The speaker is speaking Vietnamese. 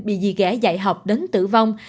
bị dì ghẻ dạy học đến tử vong